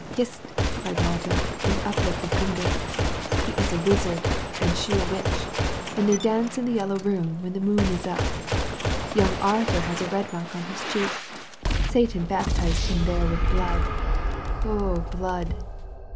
" Hist !" cried Martin, with uplifted finger. " He is a wizard and she a witch, and they dance in the Yellow Room when the moon is up. Young Arthur has a red mark on his cheek; Satan baptized him there with blood. Oh, blood!